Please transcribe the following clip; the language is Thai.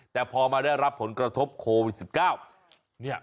แต่พอมาได้รับผลกระทบโควิด๑๙